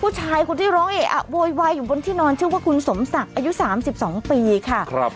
ผู้ชายคนที่ร้องเอะอะโวยวายอยู่บนที่นอนชื่อว่าคุณสมศักดิ์อายุ๓๒ปีค่ะ